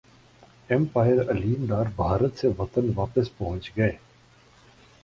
empire Aleem Dar Bharat سے وطن واپس پہنچ گئے